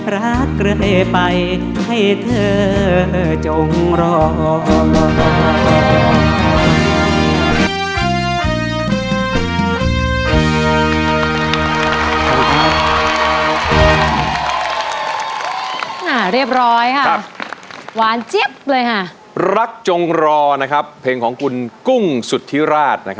รักเลยไปให้เธอจงรอ